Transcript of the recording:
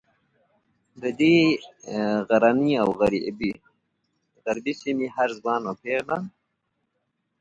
د دې غرنۍ او غریبې سیمې هر ځوان او پیغله